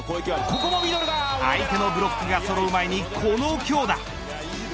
相手のブロックがそろう前にこの強打。